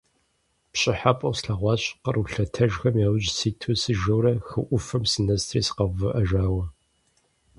Пщӏыхьэпӏэу слъэгъуащ къру лъэтэжхэм яужь ситу сыжэурэ, хы ӏуфэм сынэсри сыкъэувыӏэжауэ.